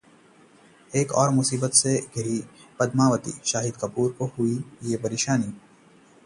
एक और मुसीबत से घिरी पद्मावती, शाहिद कपूर को हुई ये परेशानी